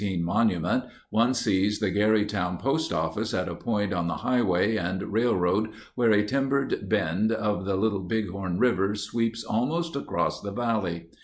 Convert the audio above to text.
Benteen monument, one sees the Garryowen Post Office at a point on the highway and railroad where a timbered bend of the Little Bighorn River sweeps almost across the valley.